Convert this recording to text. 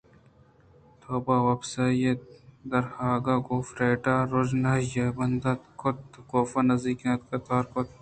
تو بہ وپسآئی ءِ در آہگ ءَ گوں فریڈا ءَروژنائی بند کُت ءُکاف ءِ نزّیک اتک ءُتوار کُت